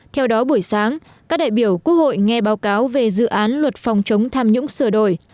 theo đó buổi sáng các đại biểu quốc hội nghe báo cáo về dự án luật phòng chống tham nhũng sửa đổi